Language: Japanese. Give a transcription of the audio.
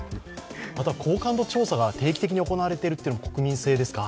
あとは好感度調査が定期的に行われているというのも国民性ですか。